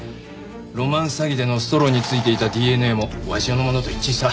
ロマンス詐欺でのストローについていたＤＮＡも鷲尾のものと一致した。